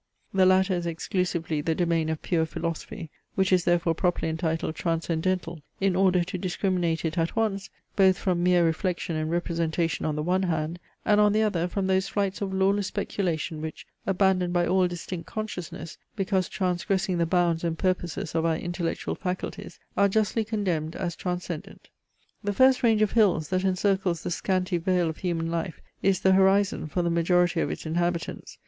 The latter is exclusively the domain of pure philosophy, which is therefore properly entitled transcendental, in order to discriminate it at once, both from mere reflection and representation on the one hand, and on the other from those flights of lawless speculation which, abandoned by all distinct consciousness, because transgressing the bounds and purposes of our intellectual faculties, are justly condemned, as transcendent . The first range of hills, that encircles the scanty vale of human life, is the horizon for the majority of its inhabitants.